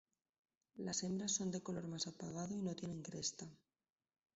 Las hembras son de color más apagado y no tienen cresta.